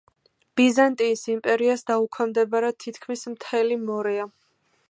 ბიზანტიის იმპერიას დაუქვემდებარა თითქმის მთელი მორეა.